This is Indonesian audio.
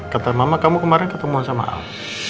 kata mama kamu kemarin ketemu sama al